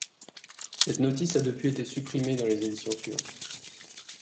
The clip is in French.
Cette notice a depuis été supprimée dans les éditions suivantes.